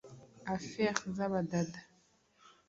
affaires z'abadada ()